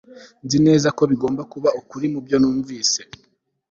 Nzi neza ko bigomba kuba ukuri mubyo numvise